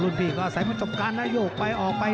รุ่นที่ก็อาศัยมจบกันนะโยกไปออกไป